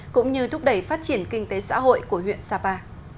cũng như thúc đẩy phát triển kinh tế xã hội của huyện sapa